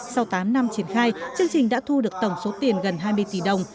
sau tám năm triển khai chương trình đã thu được tổng số tiền gần hai mươi tỷ đồng